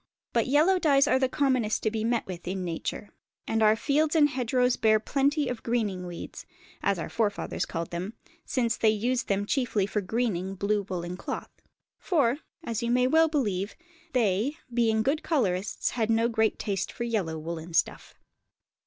But yellow dyes are the commonest to be met with in nature, and our fields and hedgerows bear plenty of greening weeds, as our forefathers called them, since they used them chiefly for greening blue woollen cloth; for, as you may well believe, they, being good colourists, had no great taste for yellow woollen stuff.